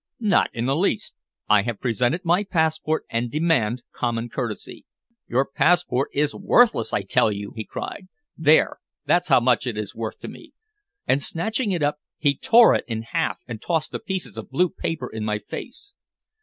"Not in the least. I have presented my passport and demand common courtesy." "Your passport is worthless, I tell you!" he cried. "There, that's how much it is worth to me!" And snatching it up he tore it in half and tossed the pieces of blue paper in my face.